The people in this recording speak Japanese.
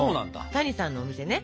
谷さんのお店ね